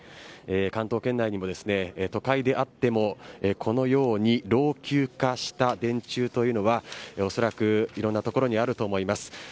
関東圏内では都会であってもこのように老朽化した電柱というのはおそらく、いろんなところにあると思います。